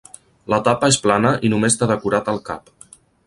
La tapa és plana i només té decorat el cap.